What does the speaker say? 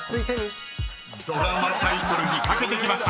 ［ドラマタイトルに掛けてきました］